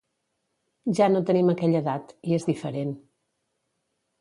Ja no tenim aquella edat, i és diferent.